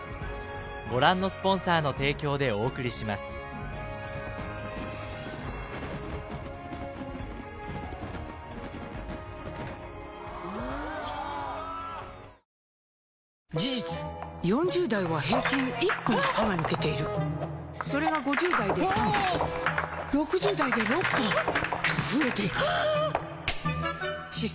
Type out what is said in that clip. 損保ジャパン事実４０代は平均１本歯が抜けているそれが５０代で３本６０代で６本と増えていく歯槽